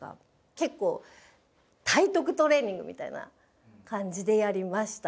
結構体得トレーニングみたいな感じでやりました。